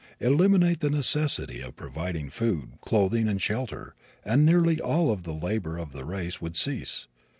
Eliminate the necessity of providing food, clothing and shelter and nearly all of the labor of the race would cease.